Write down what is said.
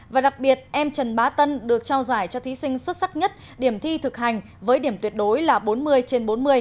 và đặc biệt em trần bá tân được trao giải cho thí sinh xuất sắc nhất điểm thi thực hành với điểm tuyệt đối là bốn mươi trên bốn mươi